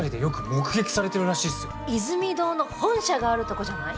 イズミ堂の本社があるとこじゃない？